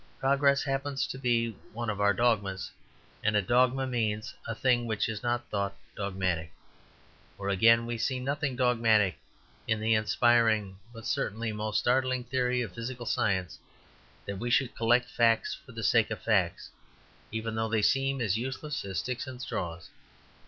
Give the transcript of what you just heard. Progress happens to be one of our dogmas, and a dogma means a thing which is not thought dogmatic. Or, again, we see nothing "dogmatic" in the inspiring, but certainly most startling, theory of physical science, that we should collect facts for the sake of facts, even though they seem as useless as sticks and straws.